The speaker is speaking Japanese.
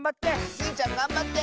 スイちゃんがんばって！